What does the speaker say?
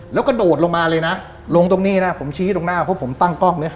แล้วก็โดดลงมาเลยนะลงตรงนี้นะผมชี้ตรงหน้าเพราะผมตั้งกล้องเนี่ย